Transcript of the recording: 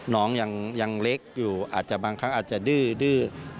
น้องยังเล็กอยู่อาจจะบางครั้งอาจจะดื้อ